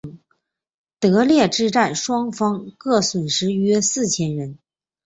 德勒之战双方各损失约四千人。